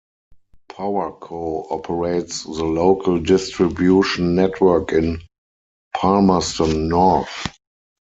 Powerco operates the local distribution network in Palmerston North.